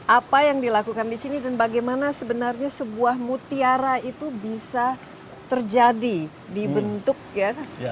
apa yang dilakukan di sini dan bagaimana sebenarnya sebuah mutiara itu bisa terjadi di bentuk ya